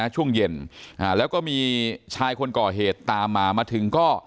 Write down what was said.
ช่วงเย็นแล้วก็มีชายคนก่อเหตุตามมามาถึงก็